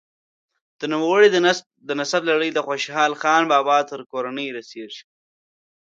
د نوموړي د نسب لړۍ د خوشحال خان بابا تر کورنۍ رسیږي.